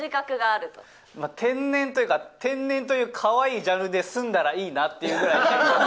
天然というか、天然というかわいいジャンルで済んだらいいなっていうぐらい結構。